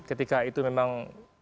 ketika itu memang